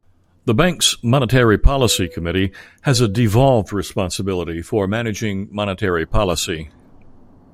The Bank's Monetary Policy Committee has a devolved responsibility for managing monetary policy.